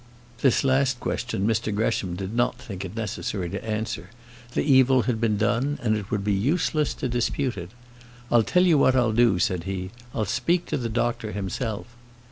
This last question Mr Gresham did not think it necessary to answer. That evil had been done, and it would be useless to dispute it. "I'll tell you what I'll do," said he. "I'll speak to the doctor himself."